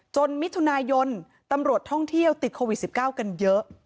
มิถุนายนตำรวจท่องเที่ยวติดโควิด๑๙กันเยอะ